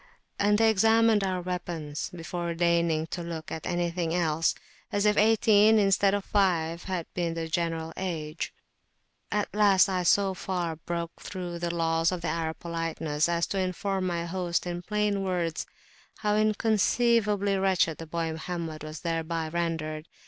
And they examined our weapons, before deigning to look at anything else, as if eighteen instead of five had been the general age. At last I so far broke through the laws of Arab politeness as to inform my host in plain words how inconceivably wretched the boy Mohammed was thereby rendered!